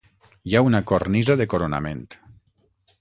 Hi ha una cornisa de coronament.